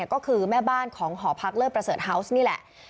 ก็คือแม่บ้านของหอพักเลิศประเสริฐฮาวส์นี่แหละ